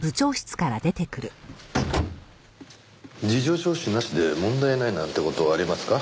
事情聴取なしで問題ないなんて事ありますか？